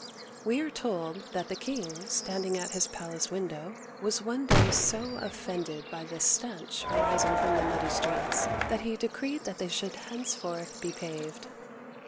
(1223 1226) 127 We are told that the king, standing at his palace window, was one day so offended by the stench arising from the muddy streets that he decreed that they should henceforth be paved.